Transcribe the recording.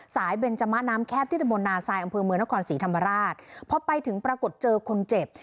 เบนจมะน้ำแคบที่ตะบนนาซายอำเภอเมืองนครศรีธรรมราชพอไปถึงปรากฏเจอคนเจ็บ